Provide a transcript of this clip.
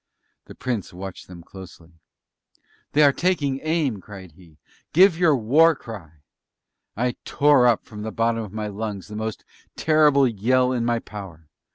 The Prince watched them closely. "They are taking aim," cried he, "give your War cry!" I tore up from the bottom of my lungs the most terrible yell in my power!